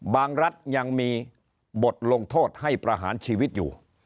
รัฐยังมีบทลงโทษให้ประหารชีวิตอยู่